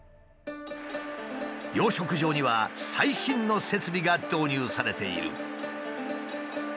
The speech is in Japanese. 養殖場には最新の設備が導入されている。